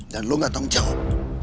dan lu gak tau ngejawab